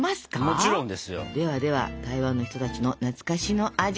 もちろんですよ。ではでは台湾の人たちの懐かしの味